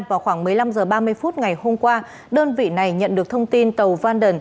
vào khoảng một mươi năm h ba mươi phút ngày hôm qua đơn vị này nhận được thông tin tàu vanden